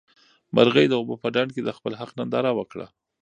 مرغۍ د اوبو په ډنډ کې د خپل حق ننداره وکړه.